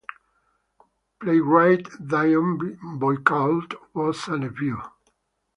Playwright Dion Boucicault was a nephew.